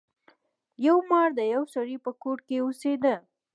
یو مار د یو سړي په کور کې اوسیده.